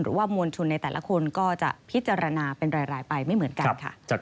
หรือว่ามวลชุนในแต่ละคนก็จะพิจารณาเป็นรายไปไม่เหมือนกัน